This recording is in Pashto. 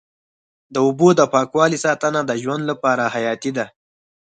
د اوبو د پاکوالي ساتنه د ژوند لپاره حیاتي ده.